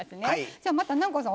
じゃまた南光さん